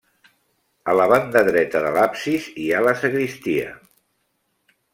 A la banda dreta de l'absis hi ha la sagristia.